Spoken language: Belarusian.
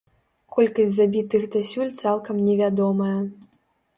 Колькасць забітых дасюль цалкам не вядомая.